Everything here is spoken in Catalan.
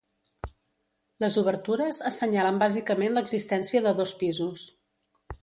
Les obertures assenyalen bàsicament l'existència de dos pisos.